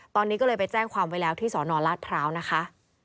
ตอนนี้ก็เลยไปแจ้งความไว้แล้วที่สนราชพร้าวนะคะ